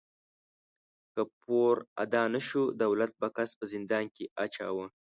که پور ادا نهشو، دولت به کس په زندان کې اچاوه.